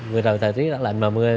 vừa đầu thời tiết rất lạnh mà mưa